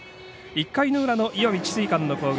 １回の裏の石見智翠館の攻撃。